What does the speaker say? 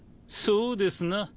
そうですな。